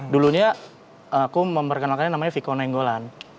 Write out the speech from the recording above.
dulunya aku memperkenalkannya namanya viko nainggolan